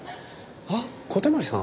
あっ小手鞠さん？